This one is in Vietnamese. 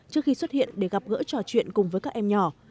trước khi xuất hiện để gặp gỡ trò chuyện cùng với các em nhỏ